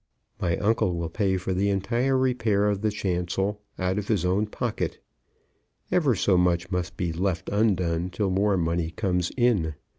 My uncle will pay for the entire repair of the chancel out of his own pocket. Ever so much must be left undone till more money comes in.